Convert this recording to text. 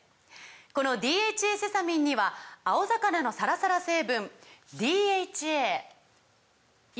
この「ＤＨＡセサミン」には青魚のサラサラ成分ＤＨＡＥＰＡ